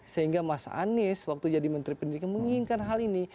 sehingga mas anies waktu jadi menteri pendidikan menginginkan hal ini